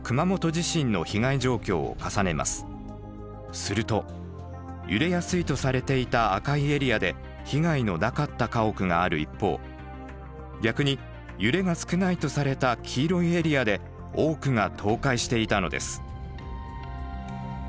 すると揺れやすいとされていた赤いエリアで被害のなかった家屋がある一方逆に揺れが少ないとされた黄色いエリアで多くが倒壊していたのです。